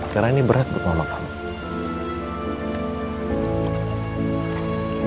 karena ini berat buat mama kamu